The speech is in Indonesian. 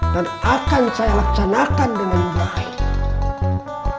akan saya laksanakan dengan baik